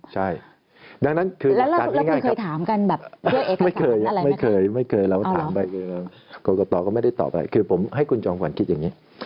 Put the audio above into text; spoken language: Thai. แล้วเราไม่เคยถามกันแบบด้วยเอกสารอะไรนะครับไม่เคยไม่เคยเราถามไปกรกตก็ไม่ได้ตอบอะไรคือผมให้คุณจองขวัญคิดอย่างนี้